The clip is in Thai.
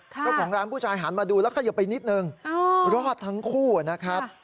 เจ้าของร้านผู้ชายหันมาดูแล้วเขยิบไปนิดนึงรอดทั้งคู่นะครับ